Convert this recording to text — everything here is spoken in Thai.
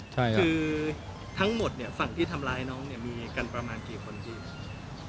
คือทั้งหมดเนี่ยฝั่งที่ทำร้ายน้องเนี่ยมีกันประมาณกี่คนพี่